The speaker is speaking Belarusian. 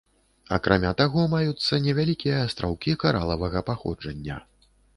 Акрамя таго, маюцца невялікія астраўкі каралавага паходжання.